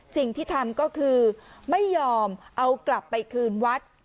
สิ่งที่ทำก็คือไม่ยอมเอากลับไปคืนวัด